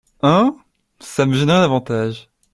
Un… ça me gênerait davantage.